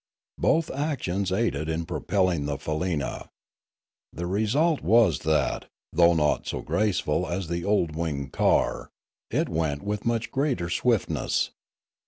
Both actions aided in propelling the faleena. The result was that, though not so graceful as the old winged car, it went with much greater swift ness.